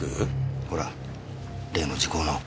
ほら例の時効の。